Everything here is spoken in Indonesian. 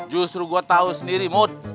justru gue tau sendiri mut